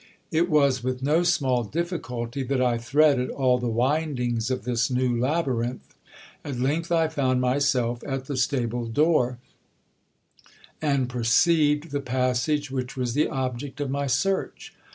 It was with no small difficulty that I threaded all the windings of this new labyrinth. At length I found myself at the stable door, and perceived the passage which was the object of my search.